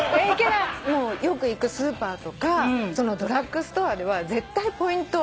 よく行くスーパーとかドラッグストアでは絶対ポイント。